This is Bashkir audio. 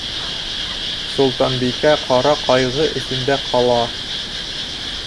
Солтанбикә ҡара ҡайғы эсендә ҡала.